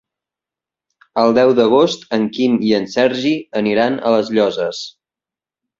El deu d'agost en Quim i en Sergi aniran a les Llosses.